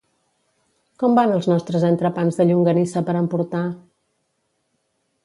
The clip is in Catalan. Com van els nostres entrepans de llonganissa per emportar?